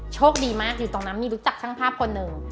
โชคดีมากอยู่ตรงนั้นมีรู้จักช่างภาพคนหนึ่ง